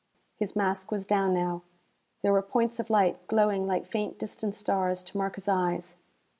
His mask was down now. There were points of light, glowing like faint distant stars, to mark his eyes.